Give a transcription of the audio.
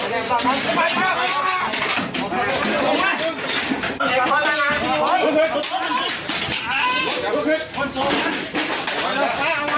หวังว่าพวกบุกเกียรติร้างนี้พ้นละ๕๕๕